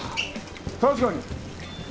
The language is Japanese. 確かに。